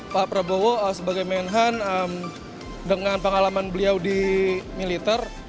pak prabowo sebagai menhan dengan pengalaman beliau di militer